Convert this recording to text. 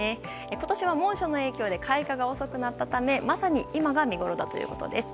今年は猛暑の影響で開花が遅くなったためまさに今が見ごろだということです。